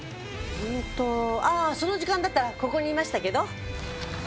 うんとああその時間だったらここにいましたけど。